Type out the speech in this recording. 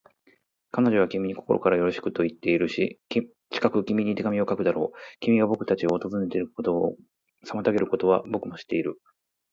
彼女は君に心からよろしくといっているし、近く君に手紙を書くだろう。君がぼくたちを訪ねてくれることにいろいろ妨げがあることは、ぼくも知っている。